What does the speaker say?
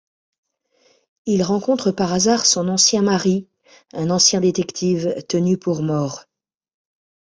Il rencontre par hasard son ancien mari, un ancien détective tenu pour mort.